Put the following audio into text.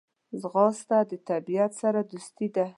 ځغاسته د طبیعت سره دوستي ده